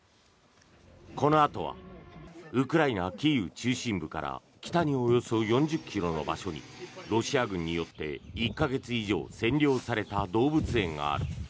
このあとはウクライナ・キーウ中心部から北におよそ４０ｋｍの場所にロシア軍によって１か月以上占領された動物園がある。